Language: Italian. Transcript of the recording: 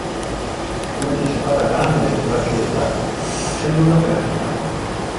Come ti sei fatta grande, Grazietta; sembri una pertica.